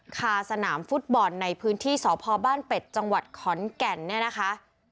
คาสนามฟุตบอลในพื้นที่สพบ้านเป็ดจังหวัดขอนแก่นเนี่ยนะคะ